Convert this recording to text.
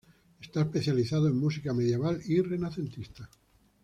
Está especializado en música medieval y renacentista.